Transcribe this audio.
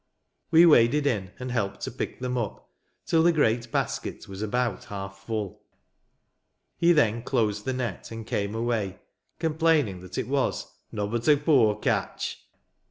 We waded in, and helped to pick them up, till the great basket was about half full. He then closed the net, and came away, complaining that it was "nobbut a poor catch."